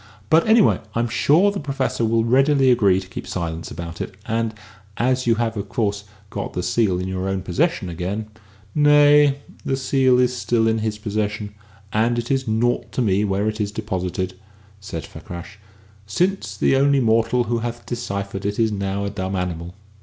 "But, anyway, I'm sure the Professor will readily agree to keep silence about it; and, as you have of course, got the seal in your own possession again " "Nay; the seal is still in his possession, and it is naught to me where it is deposited," said Fakrash, "since the only mortal who hath deciphered it is now a dumb animal."